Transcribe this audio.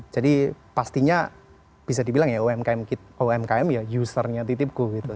jadi pastinya bisa dibilang ya umkm ya usernya titi pku gitu